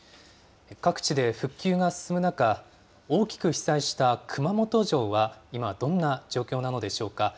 各地で復旧が進む中、大きく被災した熊本城は今、どんな状況なのでしょうか。